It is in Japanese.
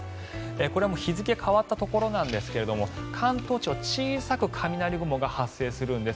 これ、日付が変わったところですが関東地方は小さく雷雲が発生するんです。